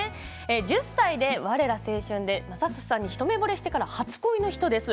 １０歳で「われら青春！」で雅俊さんに一目ぼれしてから初恋の人です。